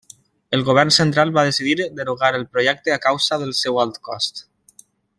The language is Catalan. El govern central va decidir de derogar el projecte a causa del seu alt cost.